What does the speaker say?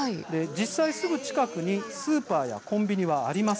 実際、すぐ近くにスーパーやコンビニはあります。